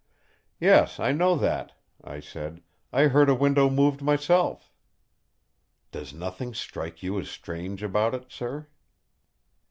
"Yes, I know that!" I said; "I heard a window moved myself." "Does nothing strike you as strange about it, sir?"